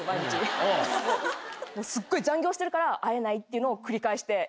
すっごい残業してるから会えないっていうのを繰り返して。